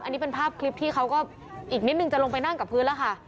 อันนี้เป็นภาพคลิปที่เขาก็อีกนิดนึงจะลงไปนั่งกับพื้นแล้วค่ะ